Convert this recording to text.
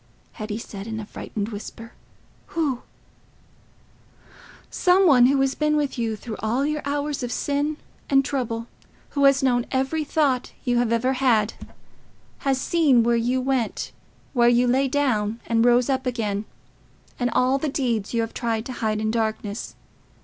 Hetty said, in a frightened whisper, "Who?" "Some one who has been with you through all your hours of sin and trouble—who has known every thought you have had—has seen where you went, where you lay down and rose up again, and all the deeds you have tried to hide in darkness.